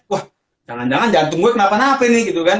wah jangan jangan jantung gue kenapa napa ini gitu kan